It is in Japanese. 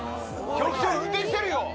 局長、運転してるよ。